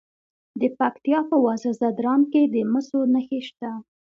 د پکتیا په وزه ځدراڼ کې د مسو نښې شته.